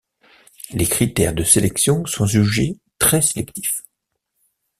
Les critères de sélections sont jugés très sélectifs.